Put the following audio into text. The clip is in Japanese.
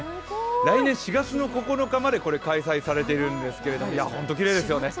来年４月９日まで開催されているんですけれども、本当、きれいですよね。